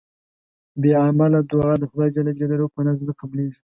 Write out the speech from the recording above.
بی عمله دوعا د خدای ج په نزد نه قبلېږي